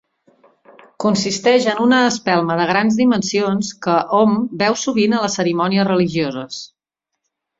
Consisteix en una espelma de grans dimensions que hom veu sovint a les cerimònies religioses.